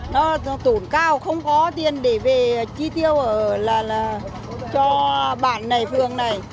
nó tổn cao không có tiền để về chi tiêu cho bạn này phương này